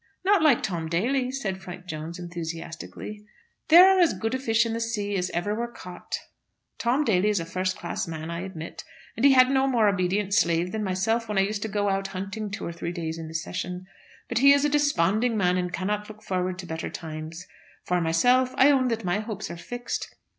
"Not like Tom Daly," said Frank Jones, enthusiastically. "There are as good fish in the sea as ever were caught. Tom Daly is a first class man, I admit; and he had no more obedient slave than myself when I used to get out hunting two or three days in the session. But he is a desponding man, and cannot look forward to better times. For myself, I own that my hopes are fixed.